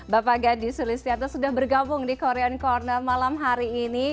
bapak gadi sulistianto sudah bergabung di korean corner malam hari ini